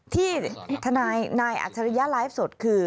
ที่อัชริยเล็กสดคือ